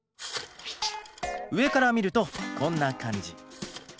上から見るとこんな感じ。